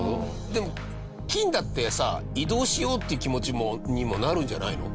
でも菌だってさ移動しようっていう気にもなるんじゃないの？